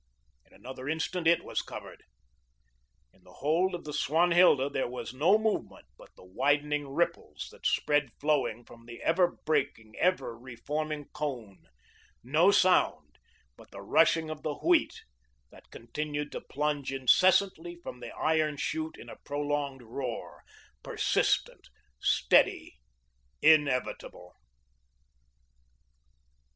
In another instant it was covered. In the hold of the "Swanhilda" there was no movement but the widening ripples that spread flowing from the ever breaking, ever reforming cone; no sound, but the rushing of the Wheat that continued to plunge incessantly from the iron chute in a prolonged roar, persistent, steady, inevitable.